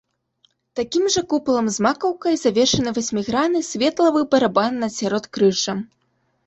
Такім жа купалам з макаўкай завершаны васьмігранны светлавы барабан над сяродкрыжжам.